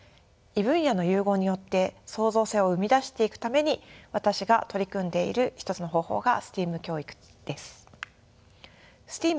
異分野の融合によって創造性を生み出していくために私が取り組んでいる一つの方法がＳＴＥＡＭ教育です。